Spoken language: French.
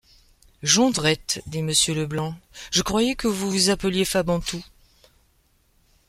Jondrette, dit Monsieur Leblanc, je croyais que vous vous appeliez Fabantou ?